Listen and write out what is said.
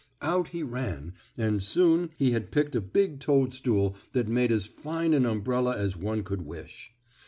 Out he ran and soon he had picked a big toadstool that made as fine an umbrella as one could wish.